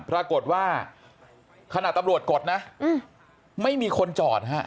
ปรากฏว่าขณะตำรวจกดนะไม่มีคนจอดฮะ